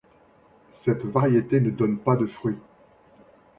Cette variété ne donne pas de fruit.